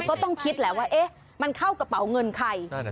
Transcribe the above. ก็ต้องคิดแหละว่ามันเข้ากระเป๋าเงินใคร